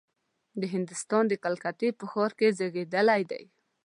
د هندوستان د کلکتې په ښار کې زېږېدلی دی.